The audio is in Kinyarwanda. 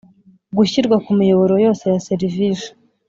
Gushyirwa ku miyoboro yose ya serivisi